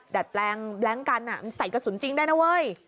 ดัดแปลงกันมันใส่กระสุนจริงได้นะเว้ย